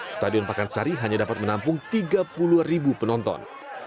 stadion pakansari hanya dapat menampung tiga puluh ribu penonton